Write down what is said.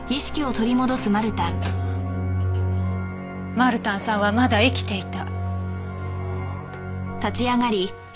マルタンさんはまだ生きていた。